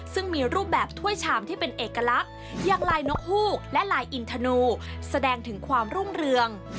ซึ่งมีรูปแบบถ้วยชามที่เป็นเอกลักษณ์อย่างลายนกฮูกและลายอินทนูแสดงถึงความรุ่งเรือง